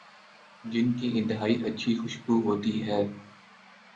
جن کی انتہائی اچھی خوشبو ہوتی ہے